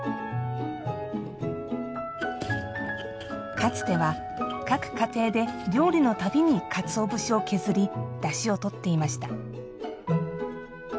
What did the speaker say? かつては各家庭で料理のたびに、かつお節を削りだしをとっていました。